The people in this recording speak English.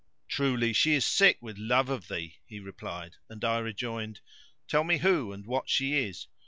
"Truly she is sick with love of thee," he replied and I rejoined, "Tell me who and what she is."